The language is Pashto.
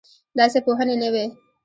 داسې پوهنې نه وې.